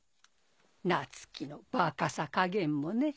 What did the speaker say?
夏希のバカさ加減もね。